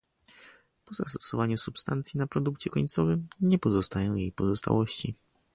Po zastosowaniu substancji na produkcie końcowym nie pozostają jej pozostałości